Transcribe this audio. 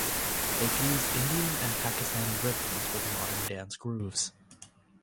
They fused Indian and Pakistani rhythms with modern dance grooves.